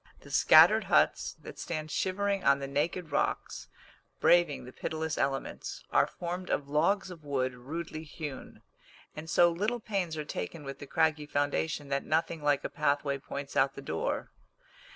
The scattered huts that stand shivering on the naked rocks, braving the pitiless elements, are formed of logs of wood rudely hewn; and so little pains are taken with the craggy foundation that nothing like a pathway points out the door.